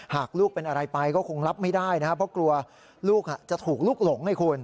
หากลูกเป็นอะไรไปก็คงรับไม่ได้นะครับเพราะกลัวลูกจะถูกลุกหลงให้คุณ